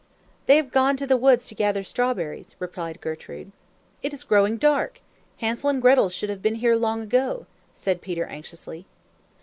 "They have gone to the woods to gather strawberries," replied Gertrude. "It is growing dark. Hansel and Gretel should have been here long ago," said Peter anxiously.